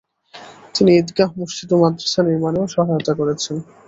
তিনি ঈদগাহ, মসজিদ ও মাদ্রাসা নির্মাণেও সহায়তা করেছেন।